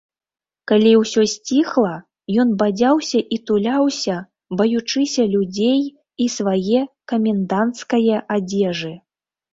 Калі ўсё сціхла, ён бадзяўся і туляўся, баючыся людзей і свае каменданцкае адзежы.